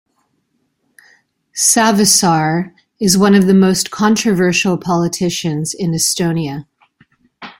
Savisaar is one of the most controversial politicians in Estonia.